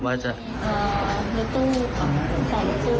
มันใจหาย